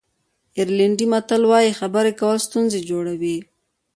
آیرلېنډي متل وایي خبرې کول ستونزې جوړوي.